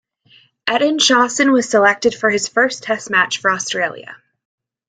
Ettingshausen was selected for his first test match for Australia.